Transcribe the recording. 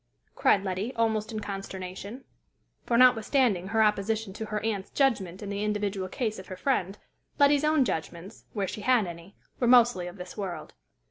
cried Letty, almost in consternation; for, notwithstanding her opposition to her aunt's judgment in the individual case of her friend, Letty's own judgments, where she had any, were mostly of this world.